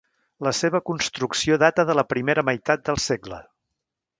La seva construcció data de la primera meitat del segle.